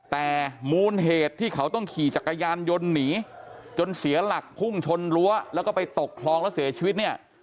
แต่มูลเหตุที่เขาต้องขี่จักรยานยนต์หนีจนเสียหลักพุ่งชนรั้วแล้วก็ไปตกคลองแล้วเสียชีวิตเนี่ย